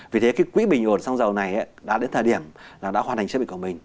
vì thế cái quỹ bình ổn xong rồi này đã đến thời điểm là đã hoàn thành chế biện của mình